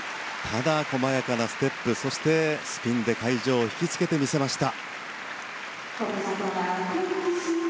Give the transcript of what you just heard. ただ、細やかなステップそしてスピンで会場を引きつけてみせました。